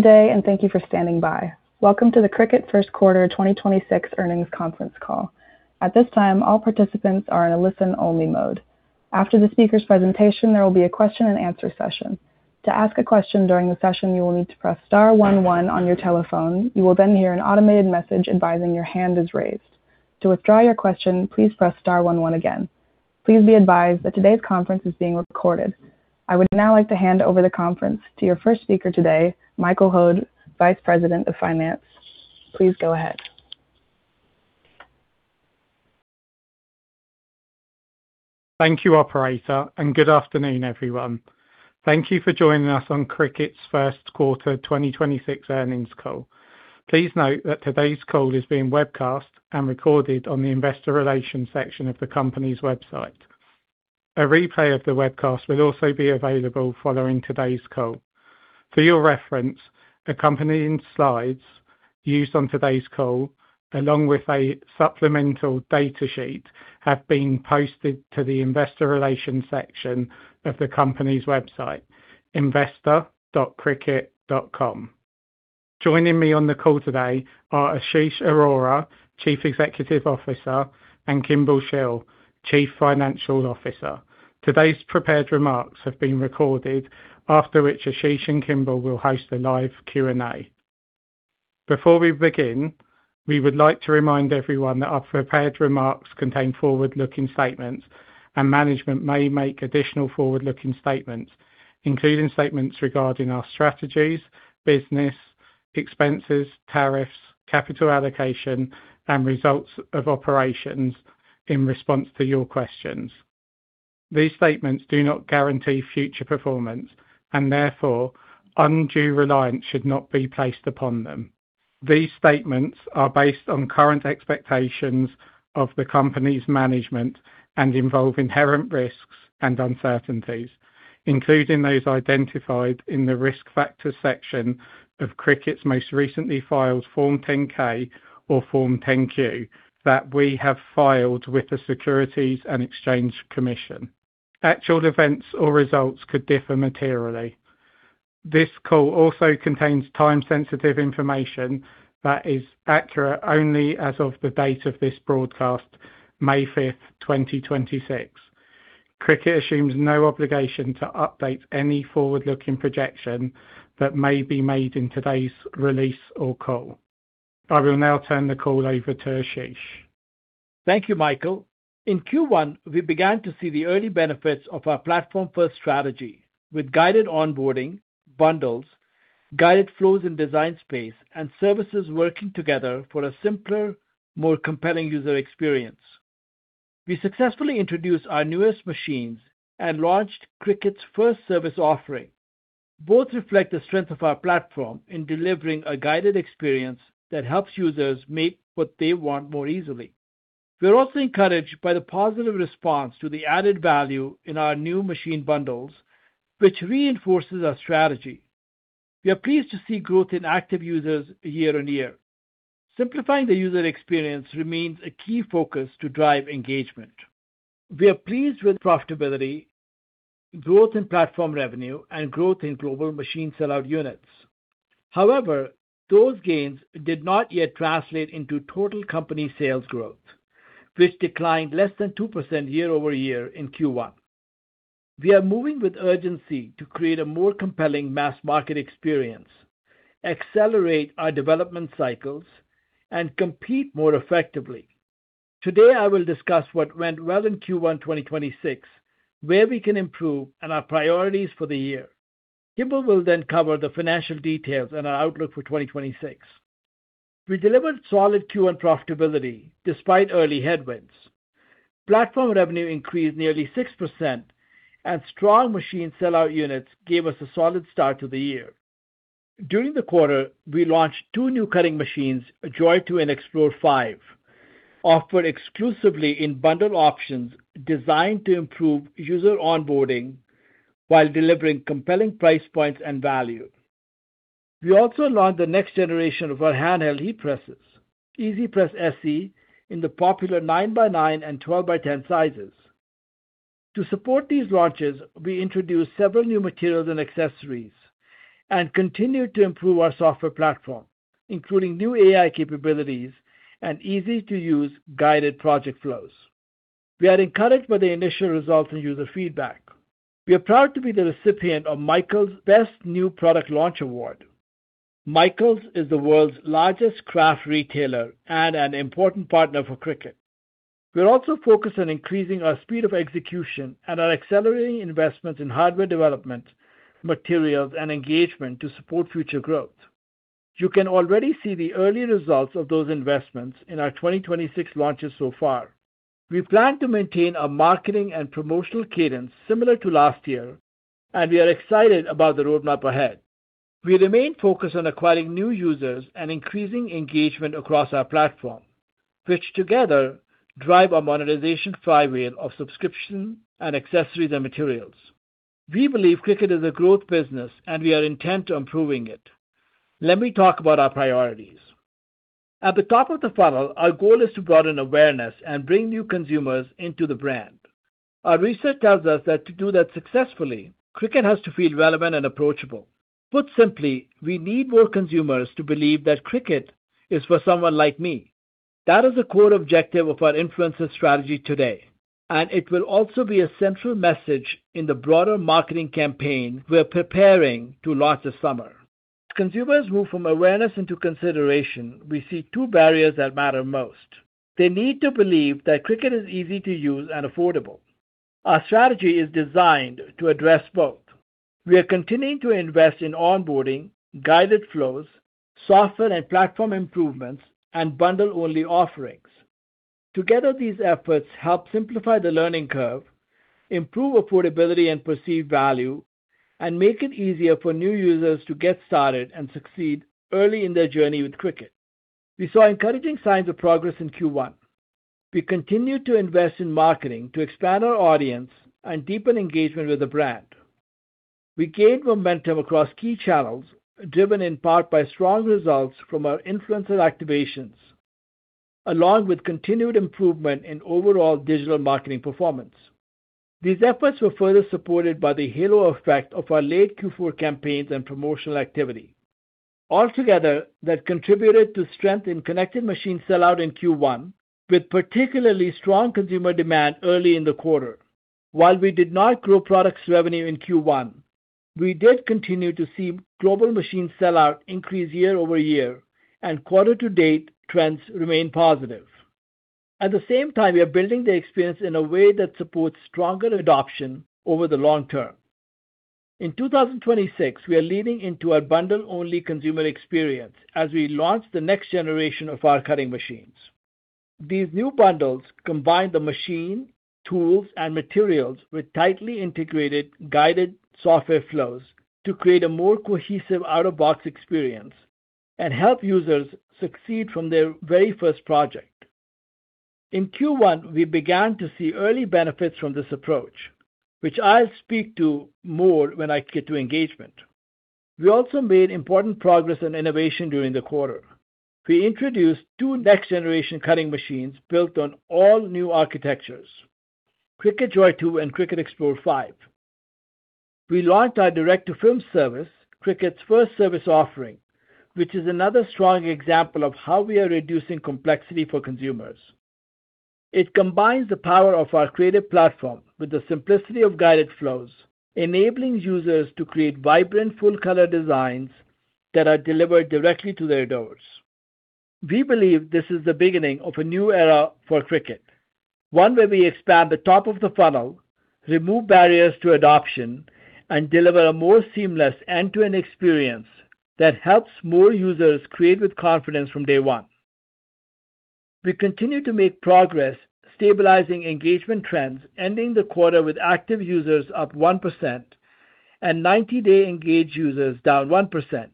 Day and thank you for standing by. Welcome to the Cricut First Quarter 2026 Earnings Conference Call. At this time, all participants are in a listen-only mode. After the speaker's presentation, there will be a question and answer session. To ask a question during the session, you will need to press star one one on your telephone. You will hear an automated message advising your hand is raised. To withdraw your question, please press star one one again. Please be advised that today's conference is being recorded. I would now like to hand over the conference to your first speaker today, Michael Hoad, Vice President of Finance. Please go ahead. Thank you, operator. Good afternoon, everyone. Thank you for joining us on Cricut's first quarter 2026 earnings call. Please note that today's call is being webcast and recorded on the investor relations section of the company's website. A replay of the webcast will also be available following today's call. For your reference, accompanying slides used on today's call, along with a supplemental data sheet, have been posted to the investor relations section of the company's website, investor.cricut.com. Joining me on the call today are Ashish Arora, Chief Executive Officer, and Kimball Shill, Chief Financial Officer. Today's prepared remarks have been recorded, after which Ashish and Kimball will host a live Q&A. Before we begin, we would like to remind everyone that our prepared remarks contain forward-looking statements and management may make additional forward-looking statements, including statements regarding our strategies, business, expenses, tariffs, capital allocation, and results of operations in response to your questions. These statements do not guarantee future performance and therefore undue reliance should not be placed upon them. These statements are based on current expectations of the company's management and involve inherent risks and uncertainties, including those identified in the Risk Factors section of Cricut's most recently filed Form 10-K or Form 10-Q that we have filed with the Securities and Exchange Commission. Actual events or results could differ materially. This call also contains time-sensitive information that is accurate only as of the date of this broadcast, May 5, 2026. Cricut assumes no obligation to update any forward-looking projection that may be made in today's release or call. I will now turn the call over to Ashish. Thank you, Michael. In Q1, we began to see the early benefits of our platform-first strategy with guided onboarding, bundles, guided flows in Design Space, and services working together for a simpler, more compelling user experience. We successfully introduced our newest machines and launched Cricut's first service offering. Both reflect the strength of our platform in delivering a guided experience that helps users make what they want more easily. We are also encouraged by the positive response to the added value in our new machine bundles, which reinforces our strategy. We are pleased to see growth in active users year-over-year. Simplifying the user experience remains a key focus to drive engagement. We are pleased with profitability, growth in platform revenue, and growth in global machine sell-out units. However, those gains did not yet translate into total company sales growth, which declined less than 2% year-over-year in Q1. We are moving with urgency to create a more compelling mass market experience, accelerate our development cycles, and compete more effectively. I will discuss what went well in Q1, 2026, where we can improve, and our priorities for the year. Kimball will cover the financial details and our outlook for 2026. We delivered solid Q1 profitability despite early headwinds. Platform revenue increased nearly 6% and strong machine sell-out units gave us a solid start to the year. During the quarter, we launched two new cutting machines, Joy 2 and Explore 5, offered exclusively in bundle options designed to improve user onboarding while delivering compelling price points and value. We also launched the next generation of our handheld heat presses, EasyPress SE, in the popular 9x9 and 12x10 sizes. To support these launches, we introduced several new materials and accessories and continued to improve our software platform, including new AI capabilities and easy-to-use guided project flows. We are encouraged by the initial results and user feedback. We are proud to be the recipient of Michaels' Best New Product Launch Award. Michaels is the world's largest craft retailer and an important partner for Cricut. We are also focused on increasing our speed of execution and are accelerating investments in hardware development, materials, and engagement to support future growth. You can already see the early results of those investments in our 2026 launches so far. We plan to maintain a marketing and promotional cadence similar to last year, and we are excited about the roadmap ahead. We remain focused on acquiring new users and increasing engagement across our platform, which together drive our monetization flywheel of subscription and accessories and materials. We believe Cricut is a growth business, and we are intent on proving it. Let me talk about our priorities. At the top of the funnel, our goal is to broaden awareness and bring new consumers into the brand. Our research tells us that to do that successfully, Cricut has to feel relevant and approachable. Put simply, we need more consumers to believe that Cricut is for someone like me. That is a core objective of our influencer strategy today, and it will also be a central message in the broader marketing campaign we're preparing to launch this summer. As consumers move from awareness into consideration, we see two barriers that matter most. They need to believe that Cricut is easy to use and affordable. Our strategy is designed to address both. We are continuing to invest in onboarding, guided flows, software and platform improvements, and bundle-only offerings. Together, these efforts help simplify the learning curve, improve affordability and perceived value, and make it easier for new users to get started and succeed early in their journey with Cricut. We saw encouraging signs of progress in Q1. We continued to invest in marketing to expand our audience and deepen engagement with the brand. We gained momentum across key channels, driven in part by strong results from our influencer activations, along with continued improvement in overall digital marketing performance. These efforts were further supported by the halo effect of our late Q4 campaigns and promotional activity. Altogether, that contributed to strength in connected machine sell-out in Q1, with particularly strong consumer demand early in the quarter. While we did not grow products revenue in Q1, we did continue to see global machine sell-out increase year-over-year and quarter-to-date trends remain positive. At the same time, we are building the experience in a way that supports stronger adoption over the long term. In 2026, we are leading into our bundle-only consumer experience as we launch the next generation of our cutting machines. These new bundles combine the machine, tools, and materials with tightly integrated guided software flows to create a more cohesive out-of-box experience and help users succeed from their very first project. In Q1, we began to see early benefits from this approach, which I'll speak to more when I get to engagement. We also made important progress in innovation during the quarter. We introduced two next-generation cutting machines built on all new architectures, Cricut Joy 2 and Cricut Explore 5. We launched our direct-to-film service, Cricut's first service offering, which is another strong example of how we are reducing complexity for consumers. It combines the power of our creative platform with the simplicity of guided flows, enabling users to create vibrant full-color designs that are delivered directly to their doors. We believe this is the beginning of a new era for Cricut, one where we expand the top of the funnel, remove barriers to adoption, and deliver a more seamless end-to-end experience that helps more users create with confidence from day one. We continue to make progress stabilizing engagement trends, ending the quarter with active users up 1% and 90-day engaged users down 1%,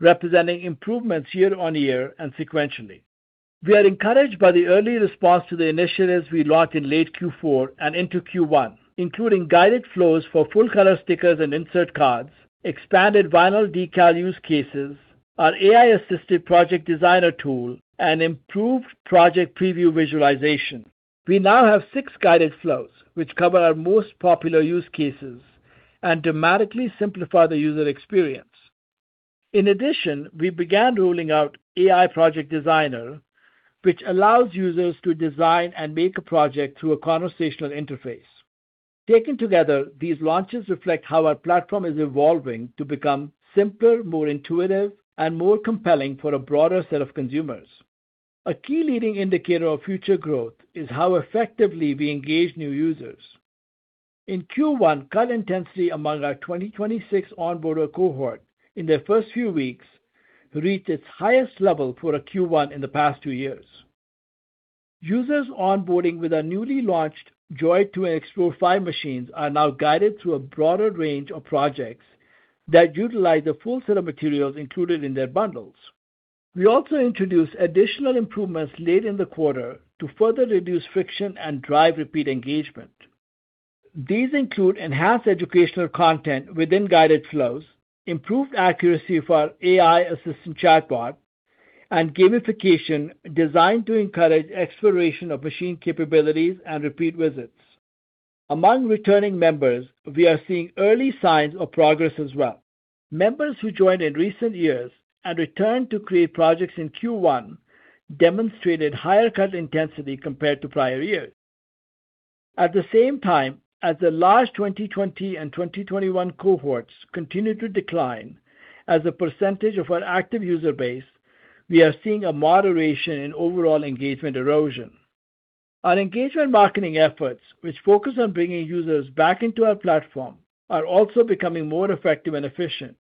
representing improvements year-on-year and sequentially. We are encouraged by the early response to the initiatives we launched in late Q4 and into Q1, including guided flows for full-color stickers and insert cards, expanded vinyl decal use cases, our AI-assisted project designer tool, and improved project preview visualization. We now have six guided flows which cover our most popular use cases and dramatically simplify the user experience. In addition, we began rolling out AI Project Designer, which allows users to design and make a project through a conversational interface. Taken together, these launches reflect how our platform is evolving to become simpler, more intuitive, and more compelling for a broader set of consumers. A key leading indicator of future growth is how effectively we engage new users. In Q1, cut intensity among our 2026 on boarder cohort in their first few weeks reached its highest level for a Q1 in the past two years. Users onboarding with our newly launched Joy 2 and Explore 5 machines are now guided through a broader range of projects that utilize the full set of materials included in their bundles. We also introduced additional improvements late in the quarter to further reduce friction and drive repeat engagement. These include enhanced educational content within guided flows, improved accuracy for our AI assistant chatbot, and gamification designed to encourage exploration of machine capabilities and repeat visits. Among returning members, we are seeing early signs of progress as well. Members who joined in recent years and returned to create projects in Q1 demonstrated higher cut intensity compared to prior years. At the same time, as the large 2020 and 2021 cohorts continue to decline as a percentage of our active user base, we are seeing a moderation in overall engagement erosion. Our engagement marketing efforts, which focus on bringing users back into our platform, are also becoming more effective and efficient.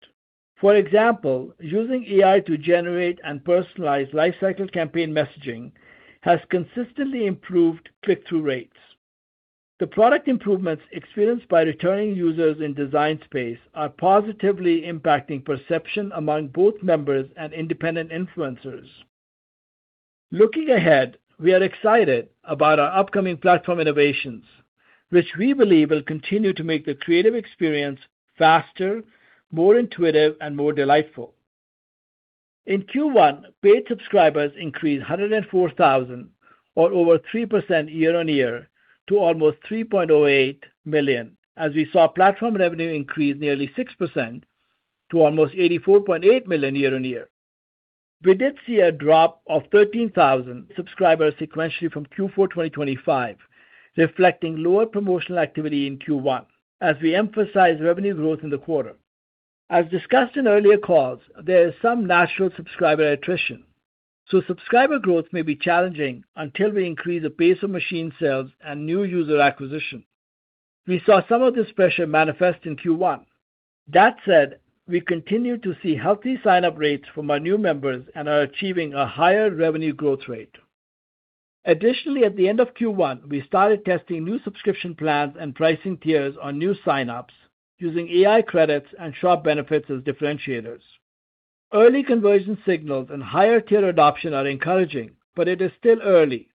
For example, using AI to generate and personalize lifecycle campaign messaging has consistently improved click-through rates. The product improvements experienced by returning users in Design Space are positively impacting perception among both members and independent influencers. Looking ahead, we are excited about our upcoming platform innovations, which we believe will continue to make the creative experience faster, more intuitive, and more delightful. In Q1, paid subscribers increased 104,000 or over 3% year-over-year to almost 3.08 million as we saw platform revenue increase nearly 6% to almost $84.8 million year-over-year. We did see a drop of 13,000 subscribers sequentially from Q4 2025, reflecting lower promotional activity in Q1 as we emphasize revenue growth in the quarter. As discussed in earlier calls, there is some natural subscriber attrition, so subscriber growth may be challenging until we increase the pace of machine sales and new user acquisition. We saw some of this pressure manifest in Q1. That said, we continue to see healthy sign-up rates from our new members and are achieving a higher revenue growth rate. Additionally, at the end of Q1, we started testing new subscription plans and pricing tiers on new signups using AI credits and shop benefits as differentiators. Early conversion signals and higher tier adoption are encouraging, but it is still early.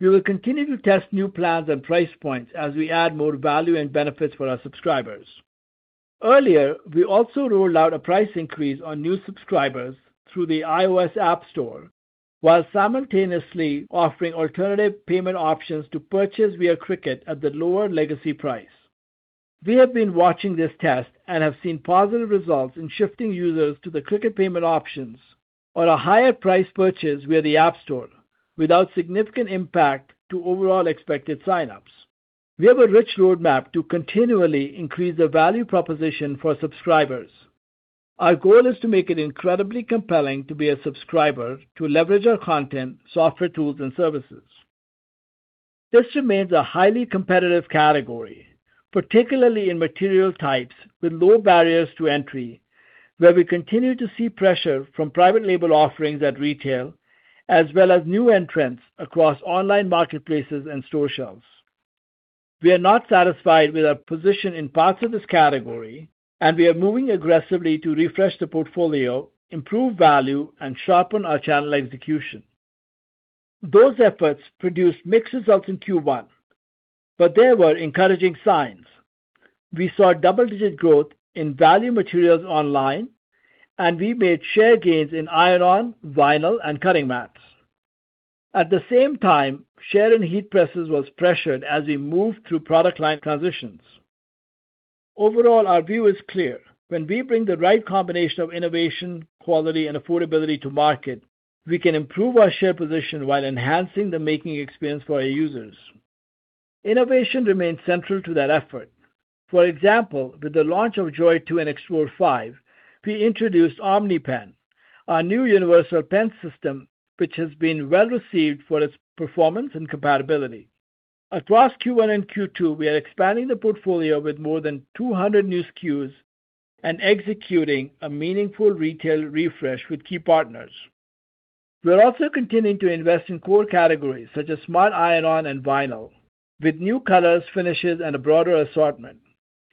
We will continue to test new plans and price points as we add more value and benefits for our subscribers. Earlier, we also rolled out a price increase on new subscribers through the iOS App Store while simultaneously offering alternative payment options to purchase via Cricut at the lower legacy price. We have been watching this test and have seen positive results in shifting users to the Cricut payment options or a higher price purchase via the App Store without significant impact to overall expected signups. We have a rich roadmap to continually increase the value proposition for subscribers. Our goal is to make it incredibly compelling to be a subscriber to leverage our content, software tools, and services. This remains a highly competitive category, particularly in material types with low barriers to entry, where we continue to see pressure from private label offerings at retail as well as new entrants across online marketplaces and store shelves. We are not satisfied with our position in parts of this category, and we are moving aggressively to refresh the portfolio, improve value, and sharpen our channel execution. Those efforts produced mixed results in Q1, but there were encouraging signs. We saw double-digit growth in value materials online, and we made share gains in iron, vinyl, and cutting mats. At the same time, share in heat presses was pressured as we moved through product line transitions. Overall, our view is clear. When we bring the right combination of innovation, quality, and affordability to market, we can improve our share position while enhancing the making experience for our users. Innovation remains central to that effort. For example, with the launch of Joy 2 and Explore 5, we introduced Omni Pen, our new universal pen system, which has been well received for its performance and compatibility. Across Q1 and Q2, we are expanding the portfolio with more than 200 new SKUs and executing a meaningful retail refresh with key partners. We are also continuing to invest in core categories such as Smart Iron-On and vinyl with new colors, finishes, and a broader assortment.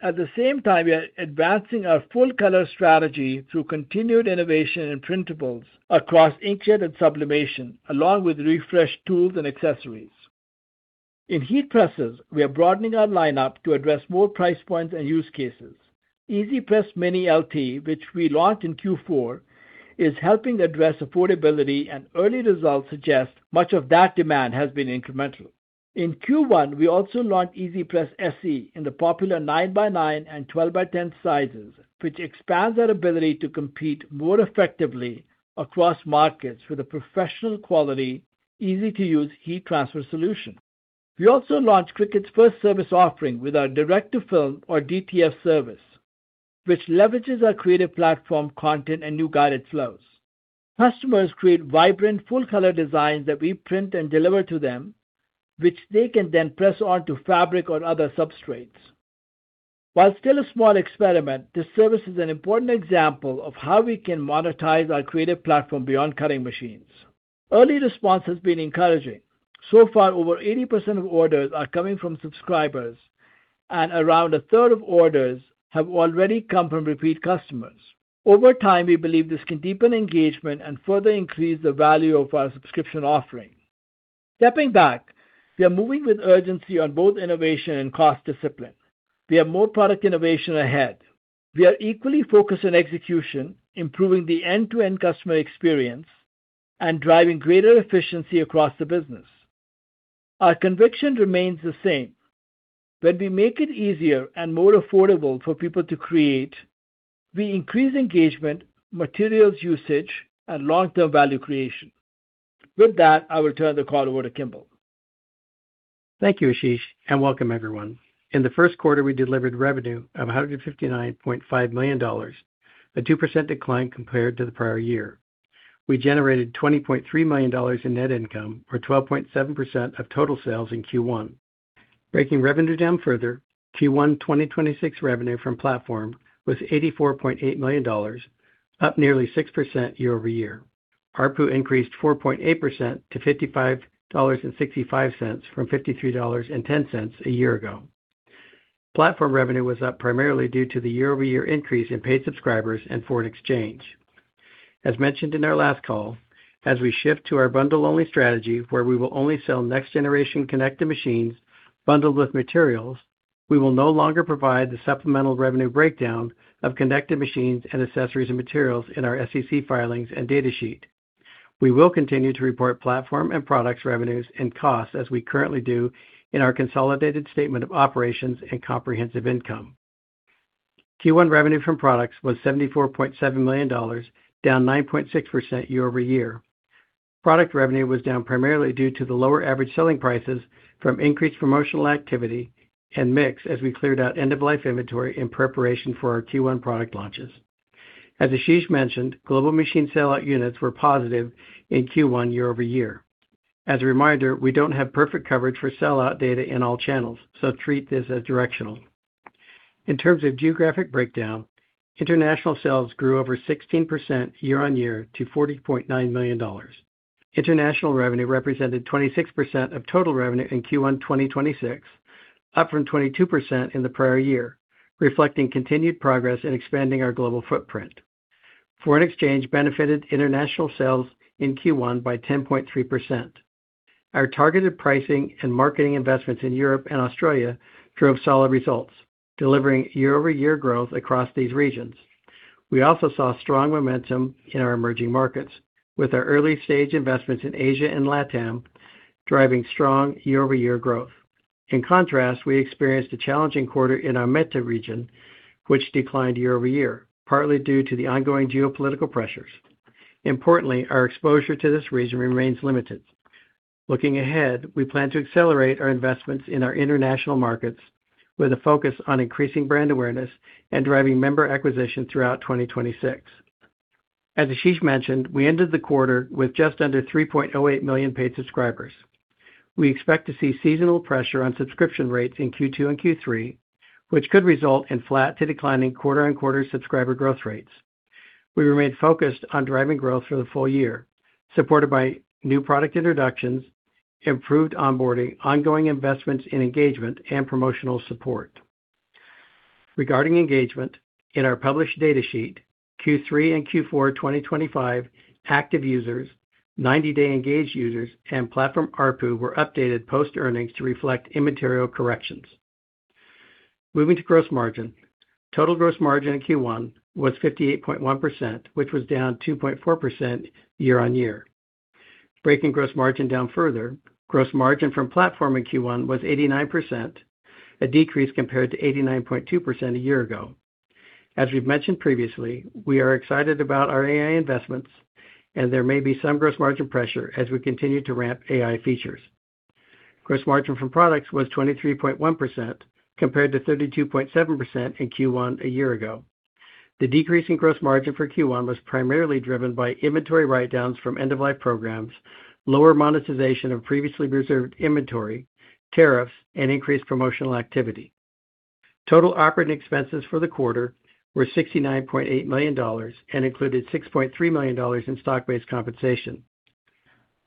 At the same time, we are advancing our full color strategy through continued innovation in printables across inkjet and sublimation, along with refreshed tools and accessories. In heat presses, we are broadening our lineup to address more price points and use cases. EasyPress Mini LT, which we launched in Q4, is helping address affordability and early results suggest much of that demand has been incremental. In Q1, we also launched EasyPress SE in the popular nine-by-nine and twelve-by-ten sizes, which expands our ability to compete more effectively across markets with a professional quality, easy-to-use heat transfer solution. We also launched Cricut's first service offering with our direct-to-film or DTF service, which leverages our creative platform content and new guided flows. Customers create vibrant, full-color designs that we print and deliver to them, which they can then press onto fabric or other substrates. While still a small experiment, this service is an important example of how we can monetize our creative platform beyond cutting machines. Early response has been encouraging. So far, over 80% of orders are coming from subscribers, and around a third of orders have already come from repeat customers. Over time, we believe this can deepen engagement and further increase the value of our subscription offering. Stepping back, we are moving with urgency on both innovation and cost discipline. We have more product innovation ahead. We are equally focused on execution, improving the end-to-end customer experience, and driving greater efficiency across the business. Our conviction remains the same. When we make it easier and more affordable for people to create, we increase engagement, materials usage, and long-term value creation. With that, I will turn the call over to Kimball. Thank you, Ashish, and welcome, everyone. In the first quarter, we delivered revenue of $159.5 million, a 2% decline compared to the prior year. We generated $20.3 million in net income or 12.7% of total sales in Q1. Breaking revenue down further, Q1 2026 revenue from platform was $84.8 million, up nearly 6% year-over-year. ARPU increased 4.8% to $55.65 from $53.10 a year ago. Platform revenue was up primarily due to the year-over-year increase in paid subscribers and foreign exchange. As mentioned in our last call, as we shift to our bundle-only strategy, where we will only sell next-generation connected machines bundled with materials, we will no longer provide the supplemental revenue breakdown of connected machines and accessories and materials in our SEC filings and data sheet. We will continue to report platform and products revenues and costs as we currently do in our consolidated statement of operations and comprehensive income. Q1 revenue from products was $74.7 million, down 9.6% year-over-year. Product revenue was down primarily due to the lower average selling prices from increased promotional activity and mix as we cleared out end-of-life inventory in preparation for our Q1 product launches. As Ashish mentioned, global machine sellout units were positive in Q1 year-over-year. As a reminder, we don't have perfect coverage for sellout data in all channels, so treat this as directional. In terms of geographic breakdown, international sales grew over 16% year-on-year to $40.9 million. International revenue represented 26% of total revenue in Q1 2026, up from 22% in the prior year, reflecting continued progress in expanding our global footprint. Foreign exchange benefited international sales in Q1 by 10.3%. Our targeted pricing and marketing investments in Europe and Australia drove solid results, delivering year-over-year growth across these regions. We also saw strong momentum in our emerging markets, with our early-stage investments in Asia and LATAM driving strong year-over-year growth. In contrast, we experienced a challenging quarter in our META region, which declined year-over-year, partly due to the ongoing geopolitical pressures. Importantly, our exposure to this region remains limited. Looking ahead, we plan to accelerate our investments in our international markets with a focus on increasing brand awareness and driving member acquisition throughout 2026. As Ashish mentioned, we ended the quarter with just under 3.08 million paid subscribers. We expect to see seasonal pressure on subscription rates in Q2 and Q3, which could result in flat to declining quarter-on-quarter subscriber growth rates. We remain focused on driving growth for the full year, supported by new product introductions, improved onboarding, ongoing investments in engagement, and promotional support. Regarding engagement, in our published data sheet, Q3 and Q4 2025 active users, 90-day engaged users, and platform ARPU were updated post-earnings to reflect immaterial corrections. Moving to gross margin, total gross margin in Q1 was 58.1%, which was down 2.4% year-on-year. Breaking gross margin down further, gross margin from platform in Q1 was 89%, a decrease compared to 89.2% a year ago. As we've mentioned previously, we are excited about our AI investments, and there may be some gross margin pressure as we continue to ramp AI features. Gross margin from products was 23.1% compared to 32.7% in Q1 a year ago. The decrease in gross margin for Q1 was primarily driven by inventory write-downs from end-of-life programs, lower monetization of previously reserved inventory, tariffs, and increased promotional activity. Total operating expenses for the quarter were $69.8 million and included $6.3 million in stock-based compensation.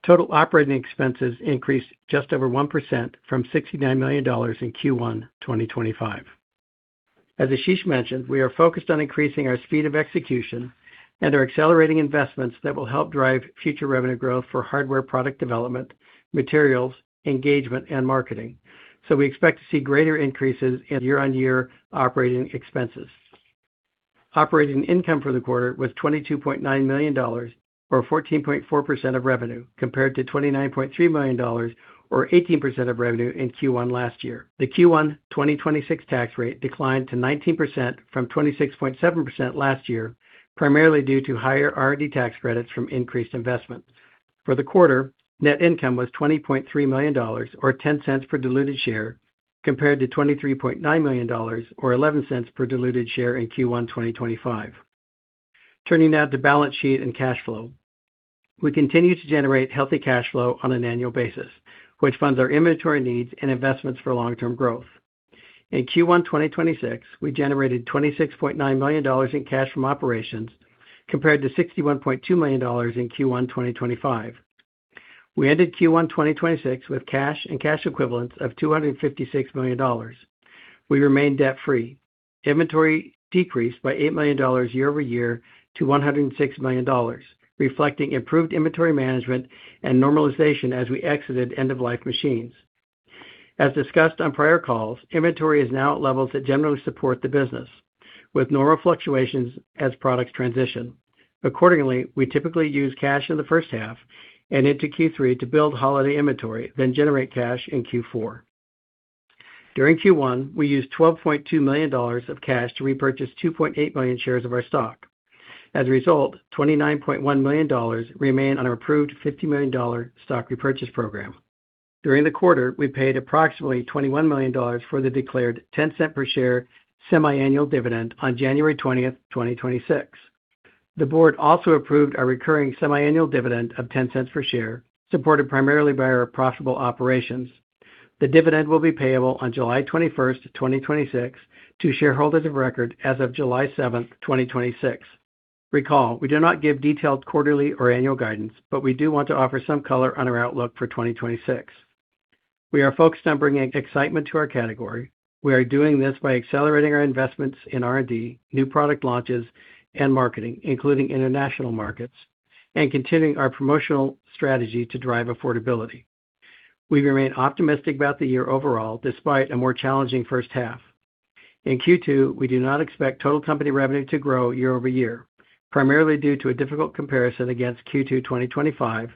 Total operating expenses increased just over 1% from $69 million in Q1 2025. As Ashish mentioned, we are focused on increasing our speed of execution and are accelerating investments that will help drive future revenue growth for hardware product development, materials, engagement, and marketing. We expect to see greater increases in year-over-year operating expenses. Operating income for the quarter was $22.9 million, or 14.4% of revenue, compared to $29.3 million, or 18% of revenue in Q1 last year. The Q1 2026 tax rate declined to 19% from 26.7% last year, primarily due to higher R&D tax credits from increased investments. For the quarter, net income was $20.3 million, or $0.10 per diluted share, compared to $23.9 million or $0.11 per diluted share in Q1 2025. Turning now to balance sheet and cash flow. We continue to generate healthy cash flow on an annual basis, which funds our inventory needs and investments for long-term growth. In Q1 2026, we generated $26.9 million in cash from operations compared to $61.2 million in Q1 2025. We ended Q1 2026 with cash and cash equivalents of $256 million. We remain debt-free. Inventory decreased by $8 million year-over-year to $106 million, reflecting improved inventory management and normalization as we exited end-of-life machines. As discussed on prior calls, inventory is now at levels that generally support the business, with normal fluctuations as products transition. Accordingly, we typically use cash in the first half and into Q3 to build holiday inventory, then generate cash in Q4. During Q1, we used $12.2 million of cash to repurchase 2.8 million shares of our stock. As a result, $29.1 million remain on our approved $50 million stock repurchase program. During the quarter, we paid approximately $21 million for the declared $0.10 per share semiannual dividend on January 20th, 2026. The board also approved a recurring semiannual dividend of $0.10 per share, supported primarily by our profitable operations. The dividend will be payable on July 21st, 2026, to shareholders of record as of July 7th, 2026. Recall, we do not give detailed quarterly or annual guidance, but we do want to offer some color on our outlook for 2026. We are focused on bringing excitement to our category. We are doing this by accelerating our investments in R&D, new product launches, and marketing, including international markets, and continuing our promotional strategy to drive affordability. We remain optimistic about the year overall despite a more challenging first half. In Q2, we do not expect total company revenue to grow year-over-year, primarily due to a difficult comparison against Q2 2025,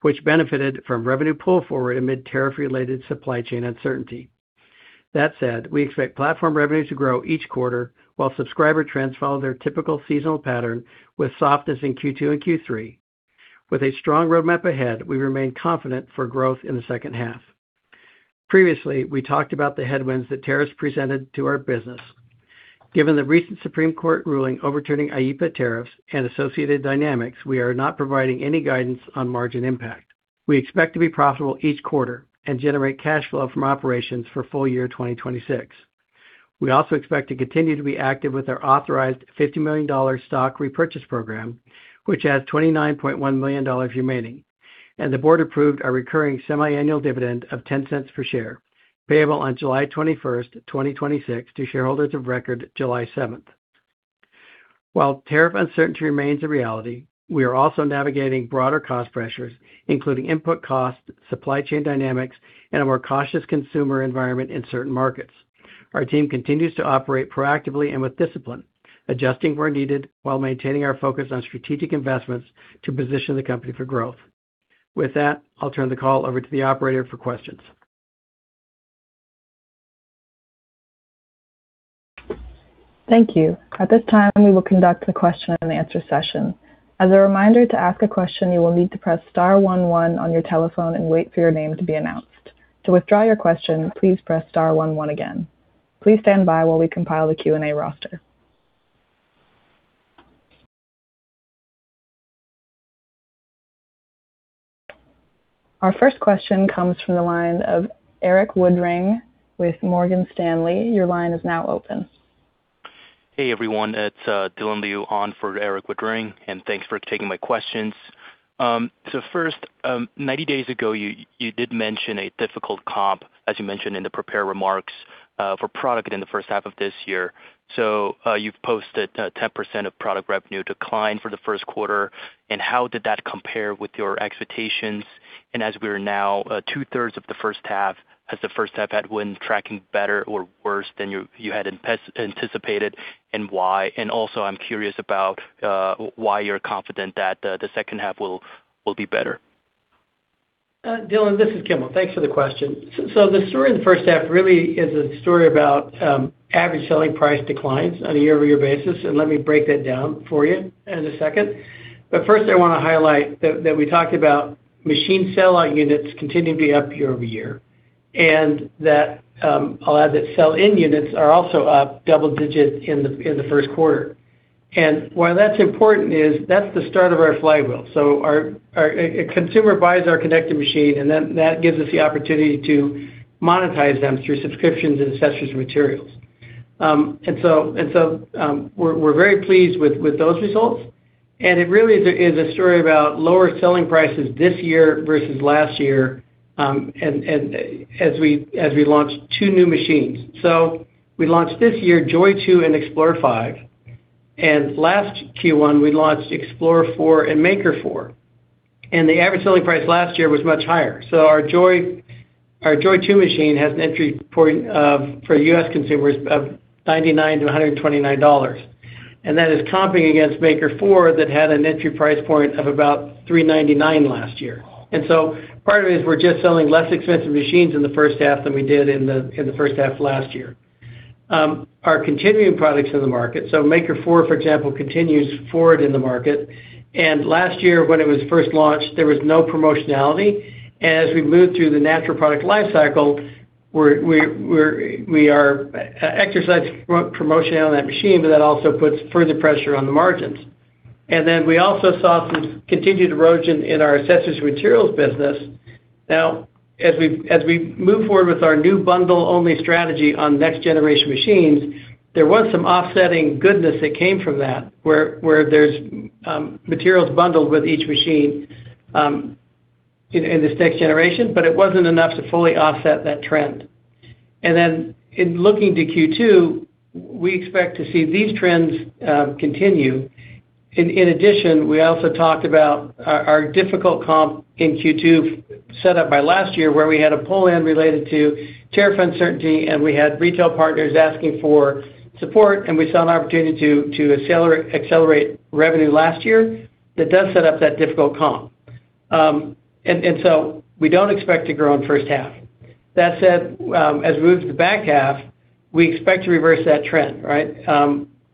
which benefited from revenue pull forward amid tariff-related supply chain uncertainty. That said, we expect platform revenue to grow each quarter while subscriber trends follow their typical seasonal pattern with softness in Q2 and Q3. With a strong roadmap ahead, we remain confident for growth in the second half. Previously, we talked about the headwinds that tariffs presented to our business. Given the recent Supreme Court ruling overturning IEEPA tariffs and associated dynamics, we are not providing any guidance on margin impact. We expect to be profitable each quarter and generate cash flow from operations for full year 2026. We also expect to continue to be active with our authorized $50 million stock repurchase program, which has $29.1 million remaining, and the board approved a recurring semiannual dividend of $0.10 per share, payable on July 21, 2026 to shareholders of record July 7. While tariff uncertainty remains a reality, we are also navigating broader cost pressures, including input costs, supply chain dynamics, and a more cautious consumer environment in certain markets. Our team continues to operate proactively and with discipline, adjusting where needed while maintaining our focus on strategic investments to position the company for growth. With that, I'll turn the call over to the operator for questions. Thank you. At this time, we will conduct the question-and-answer session. As a reminder to ask a question, you will need to press star one one on your telephone and wait for your name to be announced. To withdraw your question, please press star one one again. Please stand by while we compile the Q&A roster. Our first question comes from the line of Erik Woodring with Morgan Stanley. Your line is now open. Hey, everyone. It's Dylan Liu on for Erik Woodring, thanks for taking my questions. The first 90 days ago, you did mention a difficult comp, as you mentioned in the prepared remarks, for product in the first half of this year. You've posted a 10% of product revenue decline for the first quarter. How did that compare with your expectations? As we are now two-thirds of the first half, has the first half had wind tracking better or worse than you had anticipated, and why? I'm curious about why you're confident that the second half will be better. Dylan, this is Kimball Shill. Thanks for the question. The story of the first half really is a story about average selling price declines on a year-over-year basis. Let me break that down for you in a second. First, I want to highlight that we talked about machine sellout units continuing to be up year-over-year, and that I'll add that sell-in units are also up double digit in the first quarter. Why that's important is that's the start of our flywheel. A consumer buys our connected machine, and then that gives us the opportunity to monetize them through subscriptions and accessories and materials. So, we're very pleased with those results. It really is a story about lower selling prices this year versus last year, as we launched two new machines. We launched this year Joy 2 and Explore 5, and last Q1, we launched Explore 4 and Maker 4. The average selling price last year was much higher. Our Joy 2 machine has an entry point for U.S. consumers of $99-$129. That is comping against Maker 4 that had an entry price point of about $399 last year. Part of it is we're just selling less expensive machines in the first half than we did in the first half last year. Our continuing products in the market, so Maker 4, for example, continues forward in the market. Last year when it was first launched, there was no promotionality. As we moved through the natural product life cycle, we are exercising pro-promotion on that machine, but that also puts further pressure on the margins. We also saw some continued erosion in our accessories and materials business. As we move forward with our new bundle-only strategy on next-generation machines, there was some offsetting goodness that came from that where there's materials bundled with each machine in this next generation, but it wasn't enough to fully offset that trend. In looking to Q2, we expect to see these trends continue. In addition, we also talked about our difficult comp in Q2 set up by last year, where we had a pull-in related to tariff uncertainty, and we had retail partners asking for support, and we saw an opportunity to accelerate revenue last year that does set up that difficult comp. So we don't expect to grow in first half. That said, as we move to the back half, we expect to reverse that trend, right?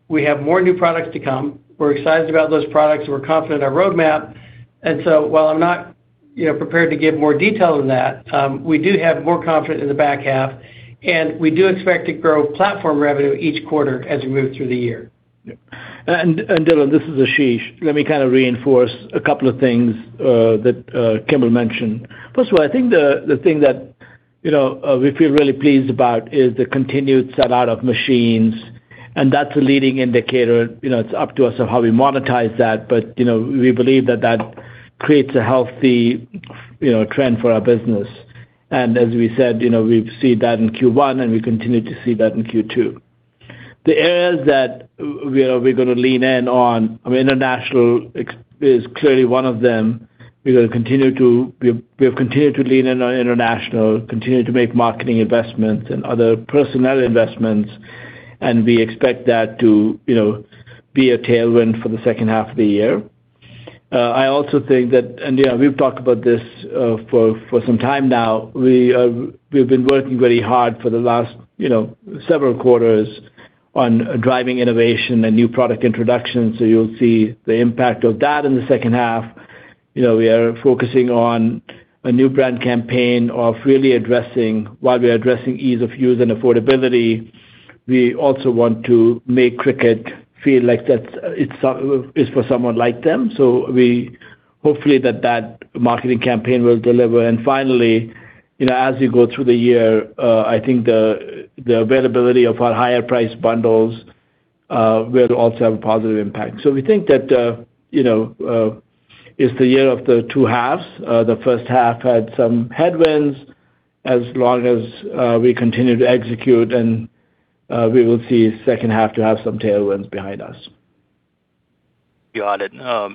We have more new products to come. We're excited about those products. We're confident in our roadmap. While I'm not, you know, prepared to give more detail than that, we do have more confidence in the back half, and we do expect to grow platform revenue each quarter as we move through the year. Dylan, this is Ashish. Let me kind of reinforce a couple of things that Kimball mentioned. First of all, I think the thing, you know, we feel really pleased about is the continued sell-out of machines, that's a leading indicator. You know, it's up to us on how we monetize that. You know, we believe that that creates a healthy, you know, trend for our business. As we said, you know, we see that in Q1, we continue to see that in Q2. The areas that we're gonna lean in on, I mean, international is clearly one of them. We have continued to lean in on international, continue to make marketing investments and other personnel investments, and we expect that to, you know, be a tailwind for the second half of the year. I also think that, and yeah, we've talked about this for some time now. We've been working very hard for the last, you know, several quarters on driving innovation and new product introductions. You'll see the impact of that in the second half. You know, we are focusing on a new brand campaign of really addressing, while we are addressing ease of use and affordability, we also want to make Cricut feel like it's for someone like them. Hopefully that marketing campaign will deliver. Finally, you know, as you go through the year, I think the availability of our higher priced bundles will also have a positive impact. We think that, you know, it's the year of the two halves. The first half had some headwinds, as long as we continue to execute and, we will see second half to have some tailwinds behind us. Got it.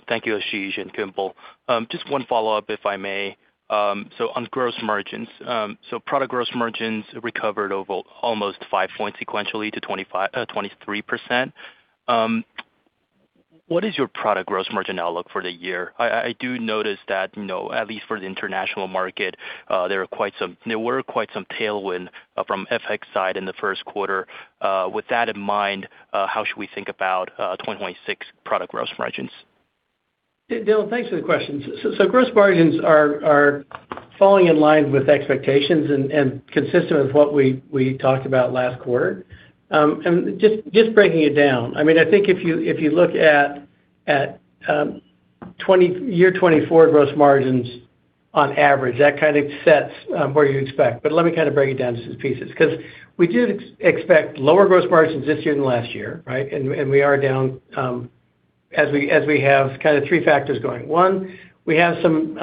Thank you, Ashish and Kimball. Just 1 follow-up, if I may. On gross margins. Product gross margins recovered over almost five points sequentially to 23%. What is your product gross margin outlook for the year? I do notice that, you know, at least for the international market, there were quite some tailwinds from FX side in the first quarter. With that in mind, how should we think about 2026 product gross margins? Dylan, thanks for the questions. Gross margins are falling in line with expectations and consistent with what we talked about last quarter. Just breaking it down. I mean, I think if you look at year 2024 gross margins on average, that kind of sets where you expect. Let me kind of break it down into pieces. Because we did expect lower gross margins this year than last year, right? We are down as we have kind of three factors going. One. We have some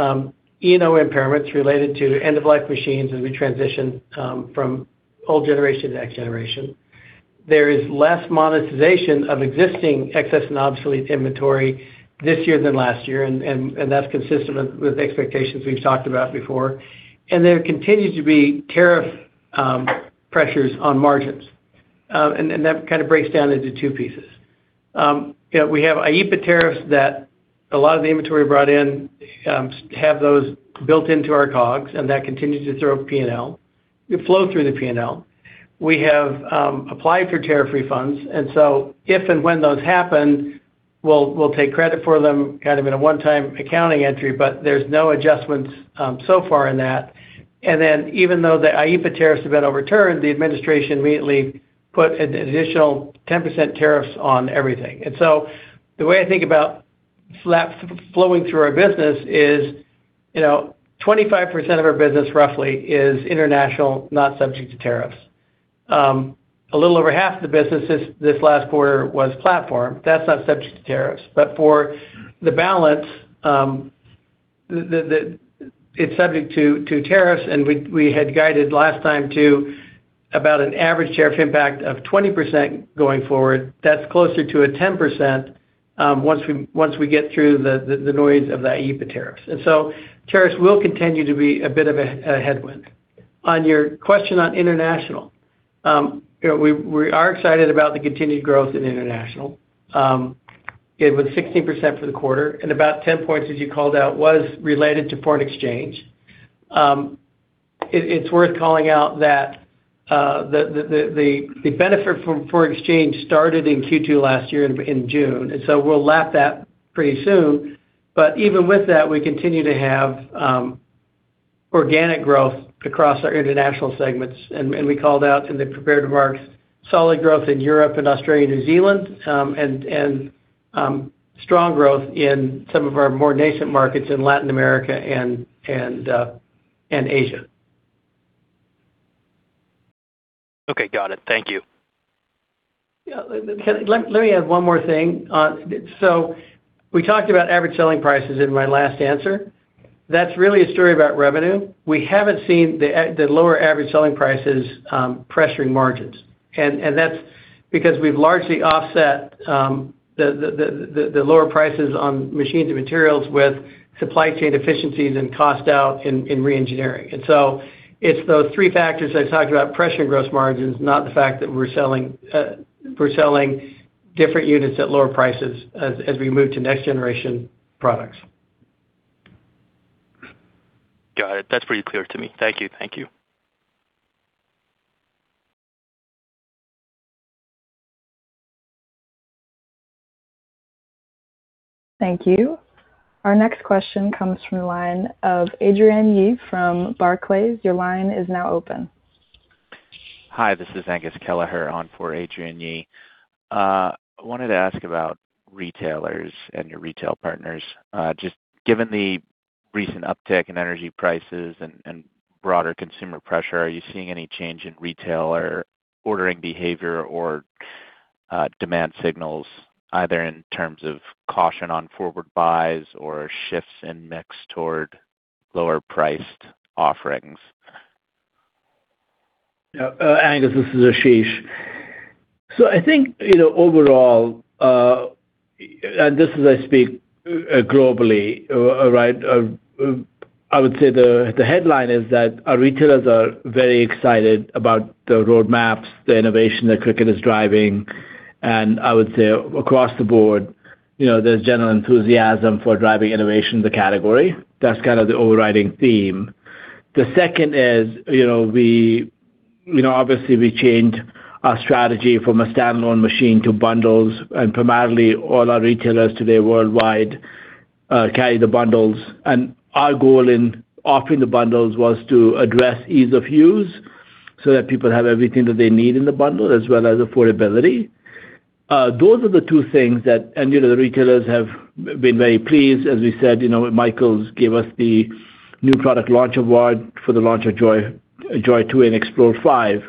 E&O impairments related to end-of-life machines as we transition from old generation to X generation. There is less monetization of existing excess and obsolete inventory this year than last year, and that's consistent with expectations we've talked about before. There continues to be tariff pressures on margins. That kind of breaks down into two pieces. You know, we have IEEPA tariffs that a lot of the inventory brought in have those built into our COGS, and that continues to flow through the P&L. We have applied for tariff refunds, so if and when those happen, we'll take credit for them kind of in a one-time accounting entry, but there's no adjustments so far in that. Even though the IEEPA tariffs have been overturned, the administration immediately put an additional 10% tariffs on everything. The way I think about slaps flowing through our business is, you know, 25% of our business roughly is international, not subject to tariffs. A little over half of the business is this last quarter was platform. That's not subject to tariffs. For the balance, it's subject to tariffs, and we had guided last time to about an average tariff impact of 20% going forward. That's closer to a 10%, once we get through the noise of the IEEPA tariffs. Tariffs will continue to be a bit of a headwind. On your question on international. You know, we are excited about the continued growth in international. It was 16% for the quarter, and about 10 points, as you called out, was related to foreign exchange. It's worth calling out that the benefit from foreign exchange started in Q2 last year in June. We'll lap that pretty soon. Even with that, we continue to have organic growth across our international segments. We called out in the prepared remarks, solid growth in Europe and Australia, New Zealand, and strong growth in some of our more nascent markets in Latin America and Asia. Okay. Got it. Thank you. Let me add one more thing. We talked about average selling prices in my last answer. That's really a story about revenue. We haven't seen the lower average selling prices pressuring margins. That's because we've largely offset the lower prices on machines and materials with supply chain efficiencies and cost out in re-engineering. It's those three factors I talked about pressuring gross margins, not the fact that we're selling different units at lower prices as we move to next generation products. Got it. That's pretty clear to me. Thank you. Thank you. Thank you. Our next question comes from the line of Adrienne Yih from Barclays. Your line is now open. Hi, this is Angus Kelleher on for Adrienne Yih. I wanted to ask about retailers and your retail partners. Just given the recent uptick in energy prices and broader consumer pressure, are you seeing any change in retailer ordering behavior or demand signals, either in terms of caution on forward buys or shifts in mix toward lower-priced offerings? Angus, this is Ashish. I think, you know, overall, and this is I speak globally, right? I would say the headline is that our retailers are very excited about the roadmaps, the innovation that Cricut is driving. I would say across the board, you know, there's general enthusiasm for driving innovation in the category. That's kind of the overriding theme. The second is, you know, we, you know, obviously we changed our strategy from a standalone machine to bundles, and primarily all our retailers today worldwide carry the bundles. Our goal in offering the bundles was to address ease of use so that people have everything that they need in the bundle as well as affordability. Those are the two things, and, you know, the retailers have been very pleased. As we said, you know, Michaels gave us the New Product Launch Award for the launch of Joy 2 and Explore 5.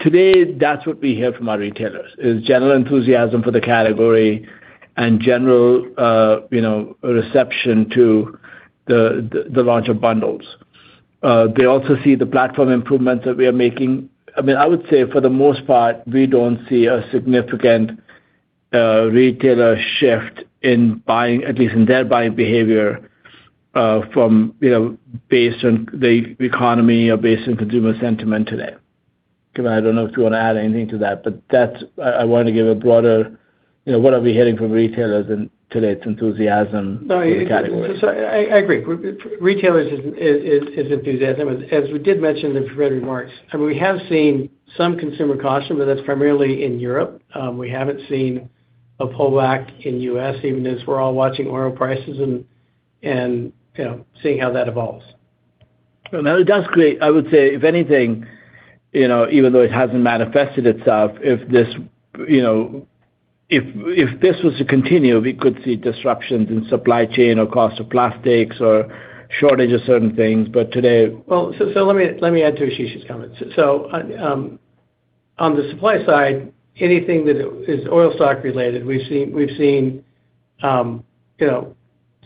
Today that's what we hear from our retailers, is general enthusiasm for the category and general, you know, reception to the launch of bundles. They also see the platform improvements that we are making. I mean, I would say for the most part, we don't see a significant retailer shift in buying, at least in their buying behavior, from, you know, based on the economy or based on consumer sentiment today. Kimball, I don't know if you wanna add anything to that, but I wanna give a broader, you know, what are we hearing from retailers, and today it's enthusiasm for the category. No, yeah. I agree. Retailers is enthusiastic. As we did mention in the prepared remarks, I mean, we have seen some consumer caution, but that's primarily in Europe. We haven't seen a pullback in U.S., even as we're all watching oil prices and, you know, seeing how that evolves. Well, I would say if anything, you know, even though it hasn't manifested itself, if this, you know, if this was to continue, we could see disruptions in supply chain or cost of plastics or shortage of certain things. Let me add to Ashish's comments. On the supply side, anything that is oil stock related, we've seen, you know,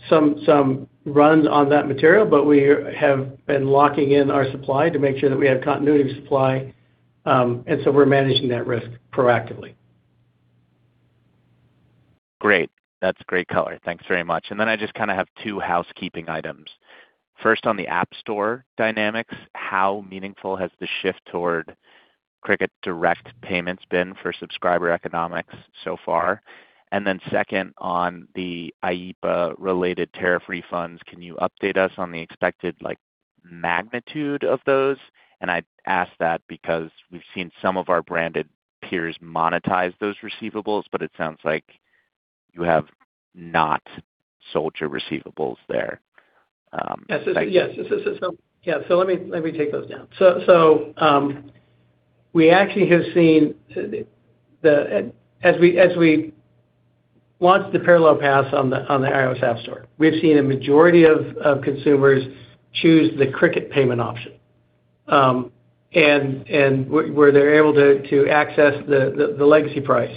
some runs on that material, but we have been locking in our supply to make sure that we have continuity of supply. We're managing that risk proactively. Great. That's great color. Thanks very much. I just kinda have two housekeeping items. First, on the App Store dynamics, how meaningful has the shift toward Cricut direct payments been for subscriber economics so far? Second, on the IEEPA-related tariff refunds, can you update us on the expected, like, magnitude of those? I ask that because we've seen some of our branded peers monetize those receivables, but it sounds like you have not sold your receivables there. Yes. Let me take those down. We actually have seen, as we launched the parallel paths on the iOS App Store, we've seen a majority of consumers choose the Cricut payment option, and where they're able to access the legacy price.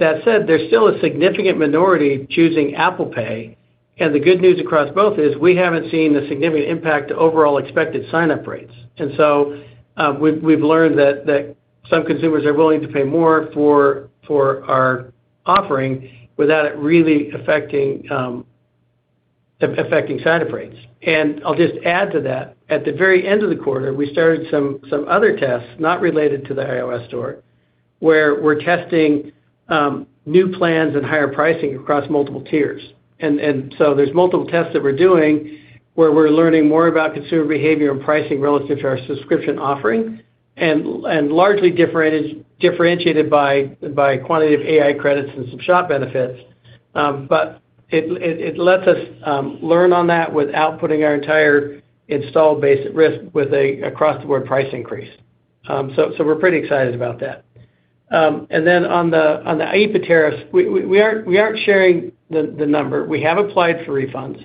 That said, there's still a significant minority choosing Apple Pay. The good news across both is we haven't seen a significant impact to overall expected sign-up rates. We've learned that some consumers are willing to pay more for our offering without it really affecting sign-up rates. I'll just add to that. At the very end of the quarter, we started some other tests not related to the iOS App Store, where we're testing new plans and higher pricing across multiple tiers. There're multiple tests that we're doing where we're learning more about consumer behavior and pricing relative to our subscription offering and largely differentiated by quantity of AI credits and some shop benefits. It lets us learn on that without putting our entire install base at risk with an across-the-board price increase. We're pretty excited about that. On the IEEPA tariffs, we aren't sharing the number. We have applied for refunds.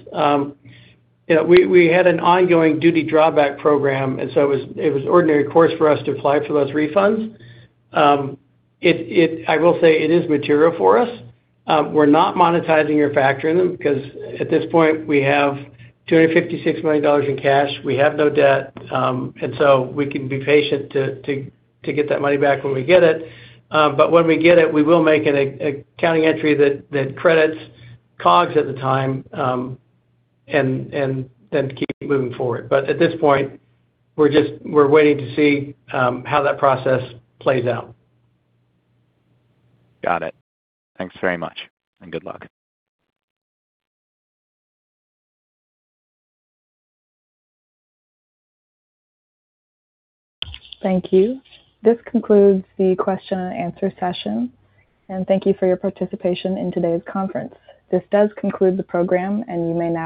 You know, we had an ongoing duty drawback program, it was ordinary course for us to apply for those refunds. I will say it is material for us. We're not monetizing or factoring them 'cause at this point, we have $256 million in cash. We have no debt. We can be patient to get that money back when we get it. When we get it, we will make an accounting entry that credits COGS at the time and then keep moving forward. At this point, we're waiting to see how that process plays out. Got it. Thanks very much, and good luck. Thank you. This concludes the question and answer session, and thank you for your participation in today's conference. This does conclude the program, and you may now